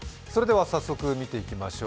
早速見ていきましょう。